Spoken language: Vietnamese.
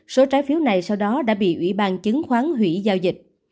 số trái phiếu này sau đó đã bị ủy ban chứng khoán hủy giao dịch